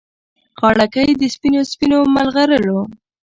غاړګۍ د سپینو، سپینو مرغلرو